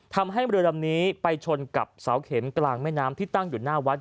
ทำให้เรือลำนี้ไปชนกับเสาเข็มกลางแม่น้ำที่ตั้งอยู่หน้าวัด